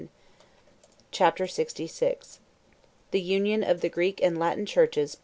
] Chapter LXVI: Union Of The Greek And Latin Churches.